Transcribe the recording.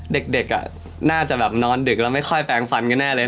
เด็กน่าจะแบบนอนดึกแล้วไม่ค่อยแปลงฟันกันแน่เลย